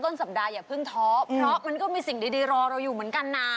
สัปดาอย่าเพิ่งท้อเพราะมันก็มีสิ่งดีรอเราอยู่เหมือนกันนะ